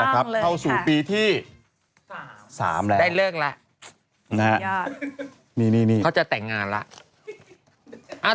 เข้าสู่ปีที่๓แล้วเขาจะแต่งงานแล้ว